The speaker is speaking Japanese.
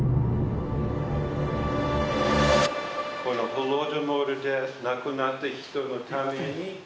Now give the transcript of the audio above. ホロドモールで亡くなった人のために。